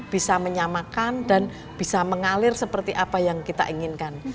bisa menyamakan dan bisa mengalir seperti apa yang kita inginkan